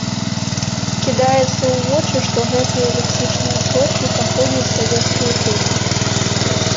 Кідаецца ў вочы, што гэтыя лексічныя сродкі паходзяць з савецкай эпохі.